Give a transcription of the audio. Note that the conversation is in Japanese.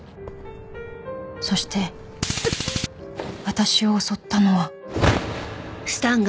そして私を襲ったのは。